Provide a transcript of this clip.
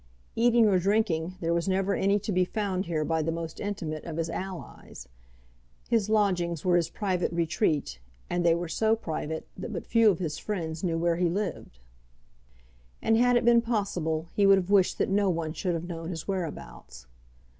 Eating or drinking there was never any to be found here by the most intimate of his allies. His lodgings were his private retreat, and they were so private that but few of his friends knew where he lived. And had it been possible he would have wished that no one should have known his whereabouts.